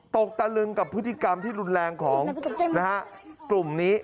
ตะลึงกับพฤติกรรมที่รุนแรงของกลุ่มนี้